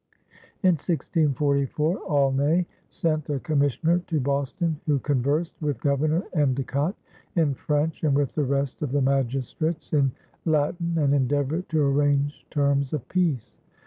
In 1644, Aulnay sent a commissioner to Boston, who conversed with Governor Endecott in French and with the rest of the magistrates in Latin and endeavored to arrange terms of peace.